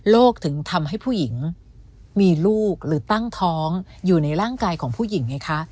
ถึงทำให้ผู้หญิงมีลูกหรือตั้งท้องอยู่ในร่างกายของผู้หญิงไงคะ